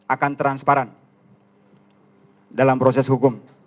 akan transparan dalam proses hukum